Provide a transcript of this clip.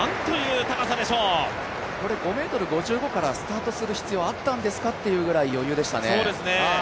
これ、５５ｍ５５からスタートする必要あったんですかという余裕でしたね。